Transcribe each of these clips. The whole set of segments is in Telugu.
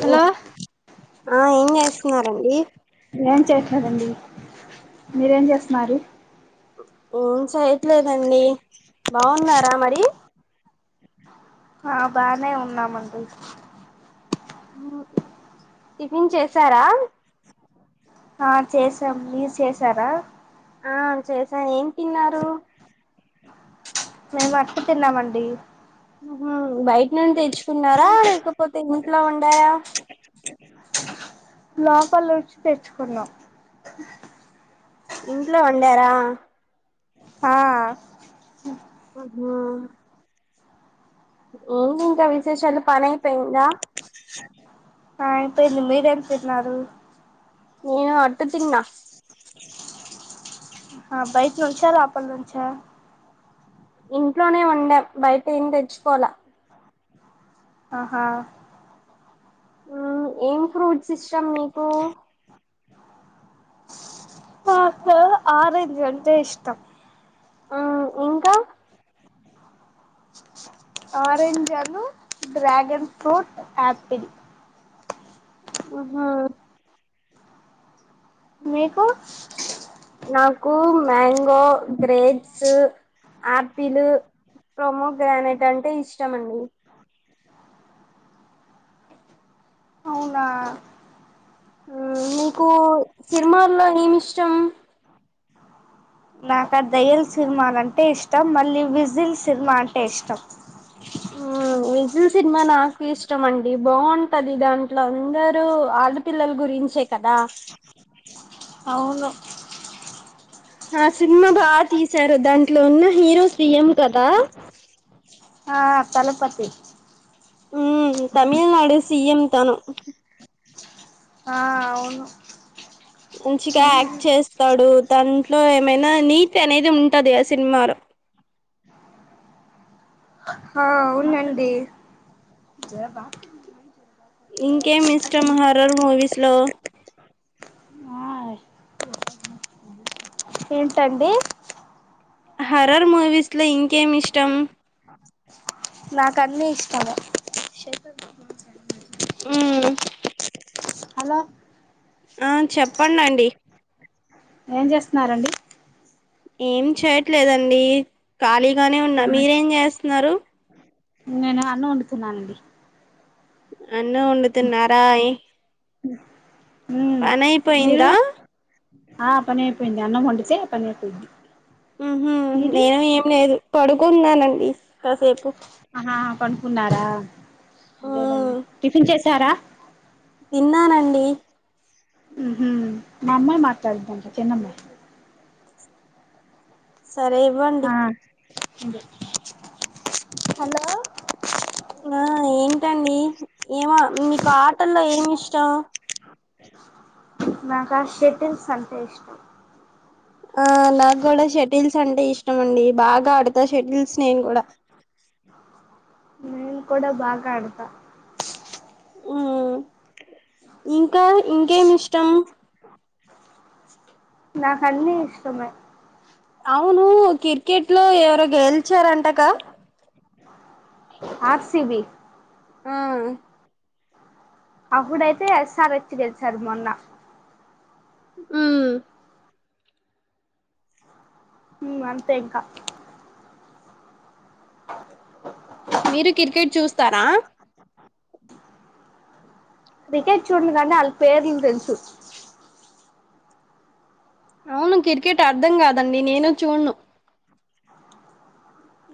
హలో ఆ ఏం చేస్తున్నారండి కాదండి మీరేం చేస్తున్నారు ఊ చేయట్లేదండి బావున్నారా మరి ఆ బానే ఉన్నామండి టిఫిన్ చేసారా ఆ చేసాం మీరు చేసారా ఆ చేసా ఏం తిన్నారు మేము అట్టు తిన్నామండి ఉహు బయట నుండి తెచ్చుకున్నారా లేకపోతే ఇంట్లో వండారా లోపలోచ్ పెట్ కున్నా ఇంట్లో వండారా ఆ ఆహా ఏంటి ఇంకా విశేషాలు పనైపోయిందా ఆ అయిపోయింది మీరేం తిన్నారు నేను అట్టు తిన్న ఆ బయట్ నుంచ లోపల్ నుంచ ఇంట్లోనే వండాం బయట ఏం తెచ్చుకోలా ఆహా హ్మ్మ్ ఏం ఫ్రూట్స్ ఇష్టం నీకు ఆ ఆరెంజ అంటే ఇష్టం ఆ ఇంకా ఆరెంజ్లు డ్రాగన్ ఫ్రూట్ ఆపిల్ ఆహా మీకు నాకు mango grapes apple pomegranate అంటే ఇష్టమ అండి అవునా మీకు సినిమాల్లో ఏమి ఇష్టం నాకా దయల్ సినిమాాలంటే అంటే ఇష్టం మళ్ళీ విజిల్ సినిమా అంటే ఇష్టం విజిల్ సినిమా నాకు ఇష్టం అండి బాగుంటది దాంట్లో అందరుూ ఆడపిల్లల గురించే కదా అవును ఆ సినిమా బాగా తీశారు దాంట్లో ఉన్న హీరోస్ దిఎం కదా ఆ తలకు పతి ఉ తమిళనాడు సిీఎం తను ఆ అవును మంచిగా యాక్ట్ చేస్తాడు దాంట్లో ఏమైనా నీటి అనేది ఉంటది ఆ సినిమాలో న్నాండి ఇంకేమి ఇష్టం హారర్ మూవీస్ లో ఏంటండి హర్రర్ మూవీస్ లో ఇంకేమి ఇష్టం నా కని ఇష్టస్తమ ఆ హలో ఆ చెప్పంండి ఏం చేస్తున్నారంండి ఏం చేయట్లేదండి ఖాళీగానే ఉన్నా మీరేం చేస్తున్నారు నేను అన్ను వండుతున్నానండి అన్న ఉండది నార మ్మ్ మీరు అయిపోయింది అన్నం వండితే పనైపొద్ది హుహూ నేను ఏం లేదు పడుకున్నానండి కసేపు ఆ పడ్కున్నారా ఆ అదెనండి టిఫిన్ చెసారా తిన్నానండీ హుహూ మా అమ్మాయ్ మాట్లాడ్దంట చిన్నమ్మయ్ సరే ఇవ్వండి. అకా [inaudible] ఆ ఏంటండి ఏమో మీకు ఆటల్లో ఏమి ఇష్టం నాకు ఆ షెటిల్స్ అంటే ఇష్టం ఆ నాకు కూడా షటిల్స్ అంటే ఇష్టం అండి బాగా ఆడతా షటిల్స్ నేను కూడా నన్ కూడా బాగా ఆడత మ్ ఇంకా ఇంకేమి ఇష్టం నాకన్నీ ఇష్టమే అవును క్రికెట్ లో ఎవరో గెలిచారంటగా ఆర్ సి బి ఆ అప్పుడైతే ఎస్ ర్ ఎచ్ గెలిచారు మొన్న మ్ మ్ అంతే ఇంకా మీరు కీర్కిట్ చూస్తారా క్రికెట్ చూడ కానీ ఆళ్ల పేర్లు తెలుసు అవును క్రికెట్ అర్ధం కాదండి నేను చూడును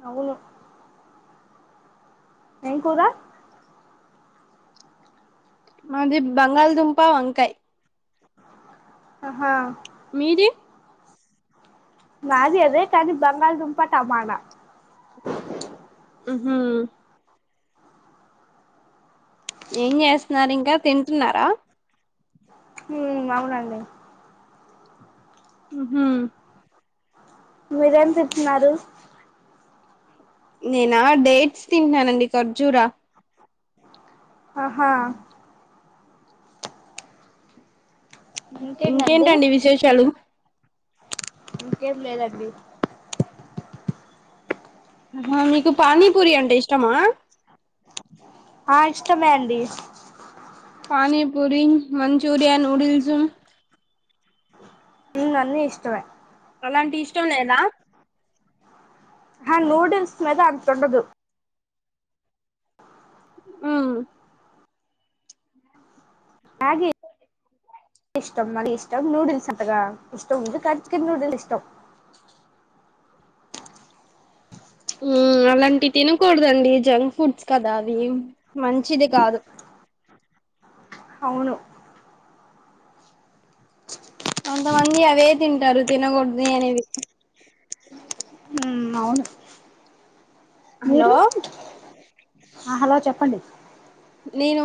అవును ఏం కూర మాది బంగాళదుంప వంకాయ్ హాహా మీది మాది అదే కానీ బంగాల దుంప మన మ్ హు ఏం చేస్తున్నారు ఇంకా తింటున్నారా మ్ అవునండి మ్ హు మీరేం తింటున్నారు నేనా డేట్స్ తింటున్నానండి ఖర్జూరా ఆహా ఇంకేంటండి విశేషాలు ఇంకేం లేదండి మీకు పానీపూరి అంటే ఇష్టమా ఆ ఇష్టమేనండి పనీపూరి మంచూరియా న్యూడిల్స్ అన్ని ఇష్టమే అలాంటి ఇష్టం మేన హా నూడిల్స్ మద తొండదు [unintelligible] ఆమ్ మ్యాగీ ఇష్టం మరి ఇష్టం నూడిల్స్ అంతగా ఇష్టం ఇ కా చికెన్ నూడిల్స్ ఇష్టం అలాంటివి తినకూడదండి జంక్ ఫుడ్స్ కదా అవి మంచిది కాదు అవును కొంతమంది అవే తింటారు తినకూడదు అనేవి మ్మ్ అవును హలో మీరు ఆ హలో చెప్పండి నేను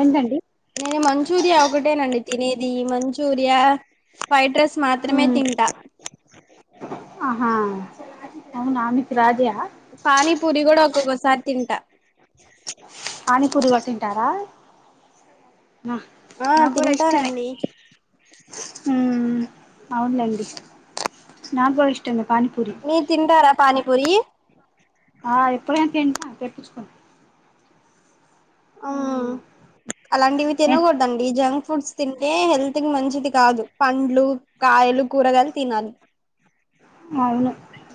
ఏంటండి నేను మంచి మంచూరియా ఒకటేనండి తినేది మంచూరియా ఫైడ్ రైస్ మాత్రమే తింటా ఆహా అవును ఆమెకి రాధ్య పాణి పూరి కూడా ఒకోసారి తింట పాణి పూరి కూడ తింటారా నా ఆ తింటారండి హమ్ అవునులేండి నా కూడా ఇష్టం మీ తింటారా పాని పూరి ఆ ఎప్పుడైనా తింట తెప్పించుకోని ఆ అలాంటివి ఏ తినకూడదండి జంగ్క్ ఫుడ్స్ తింటే హెల్త్ కి మంచిది కాదు పండ్లు కాయలు కూరగాయలు తినాలి అవును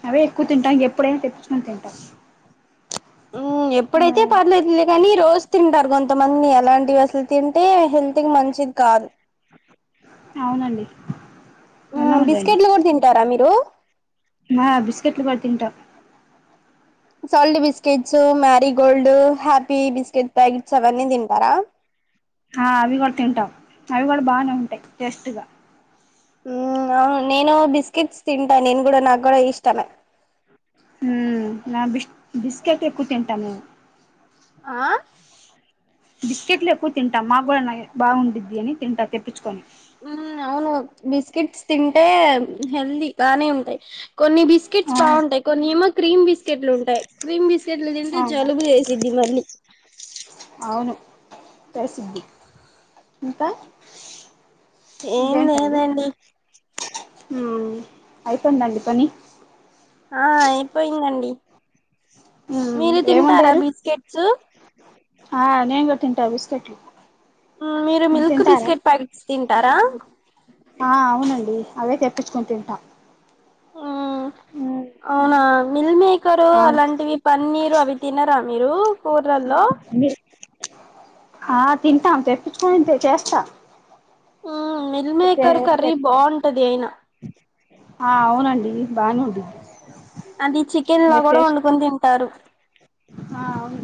అవే ఎక్కువ తింటాం ఎప్పుడైనా తెప్పించుకుని తి బస్ హమ్ ఎప్పుడైతే పర్లేదుదు కానీ రోజు తింటారు కొంతమంది అలాంటివి అసలు తింటే హెల్త్కి మంచిది కాదు అవునండి బిస్కెట్లు కూడా తింటారా మీ హలో హా బిస్కట్లు కూడా తన్టా salt biscuits Marie gold happy biscuit packets అవన్నీ తింటారా ఆ అవి కూడా తింటాం అవి కూడా బానే ఉంటాయి టేస్ట్గా మ్ అవును నేను బిస్కెట్స్ తింటా నేను కూడా నాకు కూడా ఇష్టమే ఉమ్ నా బిస్ బిస్కెట్ ఎక్కువ తింటాము ఆ బిస్కెట్లు ఎక్కువ తింటాం మా కూడా నాయి బావుండిద్ది అని తింటా తెప్పిచ్చుకొని మ్ అవును బిస్కెట్స్ తింటే హెల్దీ బానే ఉంటాయి కొన్ని బిస్కెట్స్ ఆ బాగుంటాయి కొన్ని ఏమో క్రీమ్ బిస్కెట్లు ఉంటాయి, క్రీమ్ బిస్కెట్లు తింటే ఆ జలుబు చేసిద్ది మళ్ళీ అవును ప్రేసిద్ది ఇంకా ఏం లేదండి మ్ అయ్యిపోయిందండి పని ఆ అపోయిందండి ఉమ్ మీరు ఏం తింటారా వండారు బిస్కెట్స్ ఆ నేనుకూడా తింట బిస్కెట్లు ఉ మీరు మిల్క్ బిస్కెట్ ప్యాకెట్స్ తింటారా ఉ అవే తెప్పించుకుని తింటా అనా మిల్మే కక్కరు ఆ అలాంటివి పన్నీరు అవి తినరా మీరు కూర్రల్లో మీ ఆ తింటా తే ఫోన్పే చేస్త ఉ మిల్మేకర్ కర్రీ బావుంటది అయినా ఆ అవునండి బానే ఉండిద్ది అది చికెన్ లా నె కూడా టేస్ట్ వండుకొని తింటారు ఆ అవును.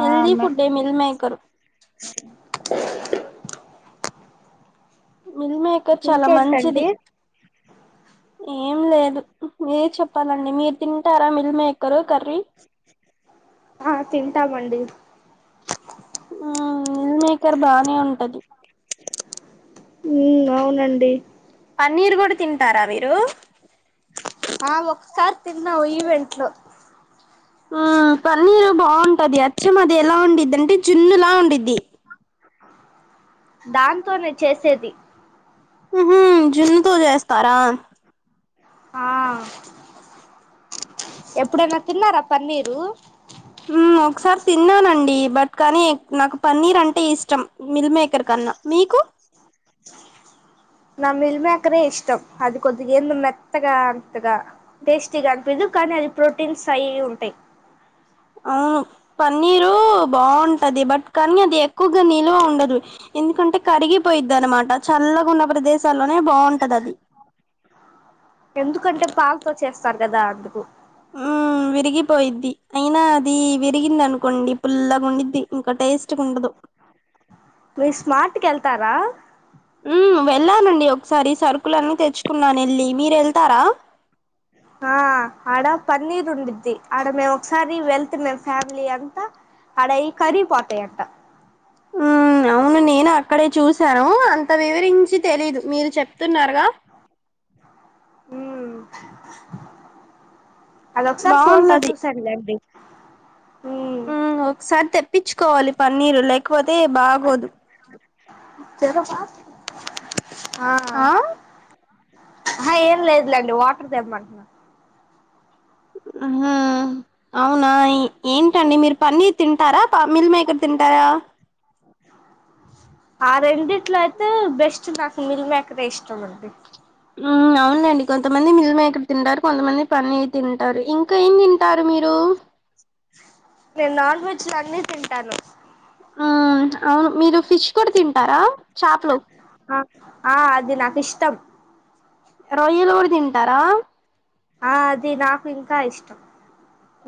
ఆ మె ఫుడ్డే మిల్మేకరు మిల్మేకర్ చాలా మంచిది ఇంకేంటండి ఏం లేదు మీరేచెప్పాలండి మీరు తింటారా మిల్ మేకరు కర్రీ హ తింటామండి ఆ మిల్ మేకర్ బానే ఉంటది ఉమ్ అవునండి పన్నీరు కూడా తింటారా మీరు ఆ ఒకసారి తిన్నావు ఈవెంట్ లో ఆ పన్నీరు బాఉంటది అచ్చం అది ఎలా ఉండిద్ అంటే జున్నులా ఉండిద్ది దాంతోనే చేసేది ఉహుం జున్నుతో చేస్తారా ఆ ఎప్పుడైన తిన్నారా పన్నీర్ డు ఉమ్ ఒకసారి తిన్నానండి బట్ కానీ నాకు పన్నీర్ అంటే ఇష్టం మిల్ మేకర్ కన్నా మీకు నా మిల్మికారే ఇష్టం అది కొద్దిగా ఏ మెత్తగా అంతగా టేస్టీగా అనిపియ్యదు కానీ అది ప్రోటీన్స్ అయ్యియి ఉంటాయి అవును పన్నీరు బాగుంటది బట్ కాన్ని దే క్కువగా నిల్వ ఉండదు ఎందుకంటే కరిగిపోయింది అనమాట చల్లగున్న ప్రదేశాల్లోనే బాగుంటది అది స్తరుగా అందుకు. ఉ విరిగిపోయిద్ది అయినా అది విరిగింది అనుకోండి పుల్లగుండిది ఇంక టేస్ట్ గా ఉండదు మీ స్మార్ట్కెల్తారా ఉ వెళ్ళానండి ఒకసారి సరుకులన్నీ తెచ్చుకున్నాను వెళ్ళి మీరు వెళ్తారా ఆ ఆడ పన్నీర్ వుండింది ఆడ మేము ఒకసారి వెళ్తు మేము ఫ్యామిలీ అంతా ఆడై కరిగి పోతాయంట ఉ అవును నేను అక్కడే చూశాను అంత వివరించి తెలీదు మీరు చెప్ ప్తున్నారుగా. ఉమ్ అదొకసారి ఫోన్ లో బాగుంటది చూసానులేండి ఉమ్ ఒకసారి తెప్పిచ్చుకోవాలి పన్నీరు లేకపోతే బాగోదు జర ఫా ఆ హా ఏం లేదులేండి వాటర్ తెమ్మంటున్నాన్ హ్మ్ అవునా ఏంటండి మీరు పన్నీర్ తింటారా ఆ మిల్మేకర్ తింటారా ఆ రెండిట్లో అయితే బెస్ట్ నాకు మిల్ మేకరే ఇష్టం అండి మ్మ్ అవునండి కొంతమంది మిల్ మేకర్ తింటారు కొంతమంది పన్నీర్ తింటారు ఇంకా ఏం తింటారు మీరు నేన్ నాన్ వెెజ్ లన్ని తింటాను ఆ అవును మీరు ఫిష్ కూడా తింటారా చాపలు ష్టం రొయ్యలు కూడ తింటారా ఆ అది నాకు ఇంకా ఇష్టం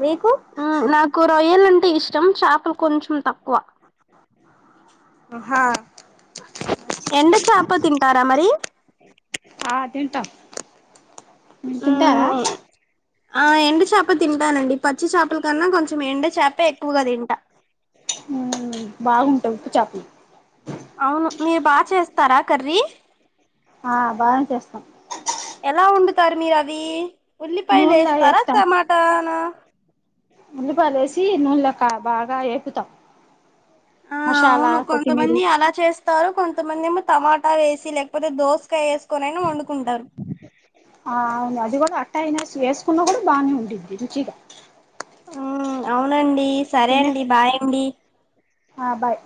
మీకు ఆ నాకు రొయ్యలంటే ఇష్టం చాపలు కొంచెం తక్కువ ఆహా ఎండు చాప తింటారా మరి ఆ తింటాం మీరు తింటారా మ్మ్ ఆ ఎండు చేప తింటానండి పచ్చి చాపల కన్నా కొంచెం ఎండు చాపే హ్మ్ బాగుం ఉప్పు చాపలు అవును మీరు బాచేస్తారా కర్రీ ఆ బాగానే చేస్తాం ఎలా వండు తర్ మీరవీ ఉల్లిపాయలు నూనెలో ఏస్తారా వేపుతాం టమాటానా క బాగా ఏపుతాం ఆ అవును కొంతమంది అలా చేస్తారు కొంతమంది ఏమో టమాటా వేసి లేకపోతే దోసకాయ ఏసుకోనైన వండుకుంటారు ఆ బానే ఉండిద్ది రుచిగా ఆ అవునండి సరే తినే అండి బాయ్ అండి ఆ బాయ్